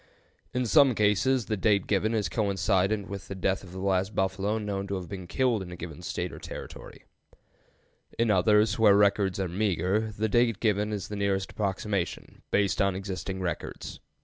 In some cases the date given is coincident with the death of the last buffalo known to have been killed in a given State or Territory; in others, where records are meager, the date given is the nearest approximation, based on existing records.